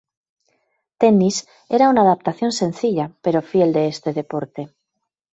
Tennis era una adaptación sencilla pero fiel de este deporte.